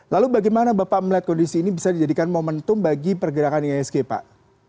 lalu bagaimana bapak melihat kondisi ini bisa dijadikan momentum bagi pergerakan ihsg pak